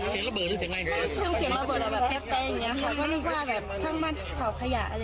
แต่ว่าไม่รู้ว่ามีไฟไหม้เลยครับ